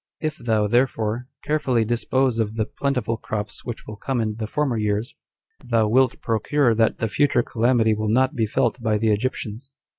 If thou, therefore, carefully dispose of the plentiful crops which will come in the former years, thou wilt procure that the future calamity will not be felt by the Egyptians."